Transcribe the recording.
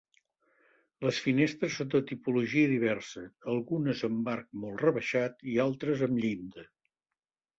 Les finestres són de tipologia diversa, algunes amb arc molt rebaixat i altres amb llinda.